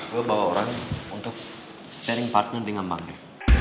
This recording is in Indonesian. gue bawa orang untuk sparing partner dengan bang re